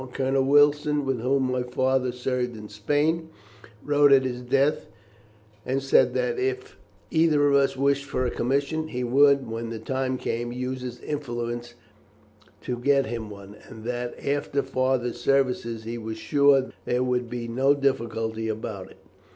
Colonel Wilson, with whom my father served in Spain, wrote at his death, and said that if either of us wished for a commission, he would, when the time came, use his influence to get him one, and that after father's services he was sure there would be no difficulty about it."